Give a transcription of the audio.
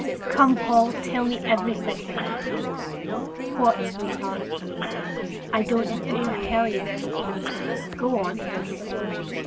"Come, Paul; tell me everything." "What, sweetheart?" "I don't dare tell you." "Go on!"